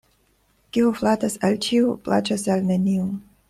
Kiu flatas al ĉiu, plaĉas al neniu.